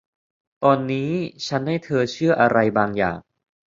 ตอนนี้ชั้นให้เธอเชื่ออะไรบางอย่าง